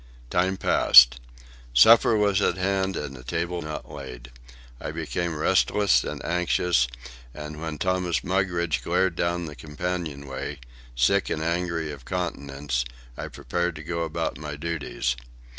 Time passed. Supper was at hand and the table not laid. I became restless and anxious, and when Thomas Mugridge glared down the companion way, sick and angry of countenance, I prepared to go about my duties.